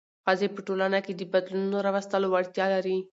ښځې په ټولنه کې د بدلون راوستلو وړتیا لري.